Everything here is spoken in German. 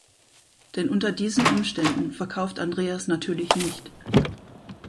Denn unter diesen Umständen verkauft Andreas natürlich nicht.